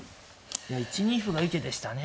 いや１二歩がいい手でしたね。